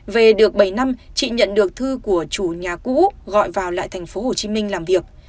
về được bảy năm chị nhận được thư của chủ nhà cũ gọi vào lại tp hcm làm việc